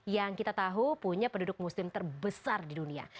yang kita tahu punya penduduk muslim terbesar di dunia